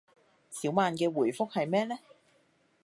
小曼嘅回覆係咩呢